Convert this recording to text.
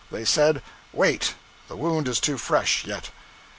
They said: 'Wait the wound is too fresh, yet.'